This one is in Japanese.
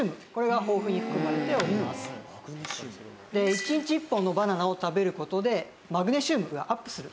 １日１本のバナナを食べる事でマグネシウムがアップする。